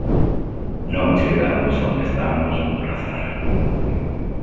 Non chegamos onde estamos por azar.